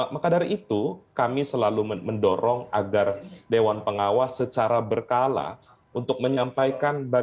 maka dari itu kami selalu mendorong agar dewan pengawas secara berkala untuk menyampaikan